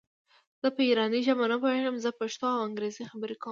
زه په ایراني ژبه نه پوهېږم زه پښتو او انګرېزي خبري کوم.